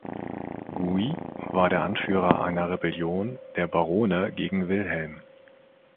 Gui war der Anführer einer Rebellion der Barone gegen Wilhelm.